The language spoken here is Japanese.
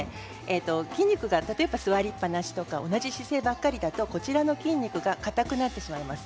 筋肉が例えば座りっぱなしの同じ姿勢ばかりだと硬くなってしまいます。